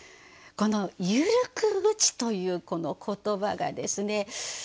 この「ゆるく打ち」というこの言葉がですね